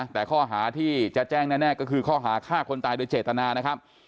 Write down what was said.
แต่ข้อหาที่จะแจ้งแน่ก็คือข้อหาฆ่าคนตายโดยเจตนานะครับ